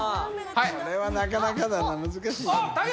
これはなかなかだな難しいよはい！